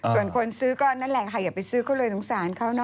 ส่วนคนซื้อก็นั่นแหละค่ะอย่าไปซื้อเขาเลยสงสารเขานะ